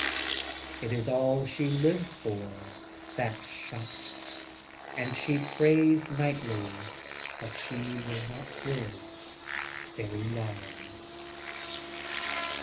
It is all she lives for, that "shot." And she prays nightly that she will not live very long.